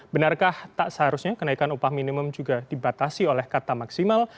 benarkah tak seharusnya kenaikan upah minimum juga dibatasi oleh kata maksimal